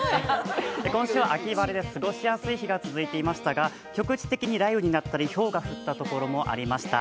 今週は秋晴れで過ごしやすい日が続いていましたが局地的に雷雨になったりひょうが降ったところもありました。